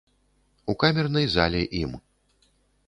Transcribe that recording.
У камернай зале ім.